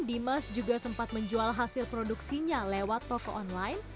dimas juga sempat menjual hasil produksinya lewat toko online